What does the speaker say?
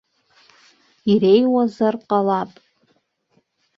Иреиуазар ҟалап.